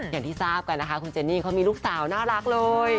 อย่างที่ทราบกันนะคะคุณเจนี่เขามีลูกสาวน่ารักเลย